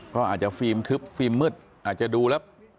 ก็อาจจะฟิล์มทึบฟิล์มมืดอาจจะดูแล้ว